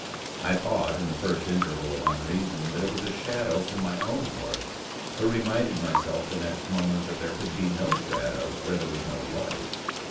I thought, in the first interval of unreason, that it was a shadow from my own horse, but reminded myself the next moment that there could be no shadow where there was no light.